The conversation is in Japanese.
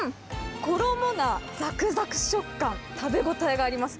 衣がざくざく食感、食べ応えがあります。